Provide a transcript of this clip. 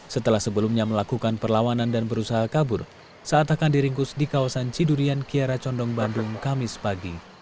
setelah sebelumnya melakukan perlawanan dan berusaha kabur saat akan diringkus di kawasan cidurian kiara condong bandung kamis pagi